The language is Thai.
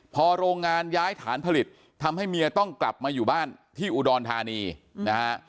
พอโรงงานย้ายฐานผลิตทำให้เมียต้องกลับมาอยู่บ้านที่อุดรธานีนะฮะ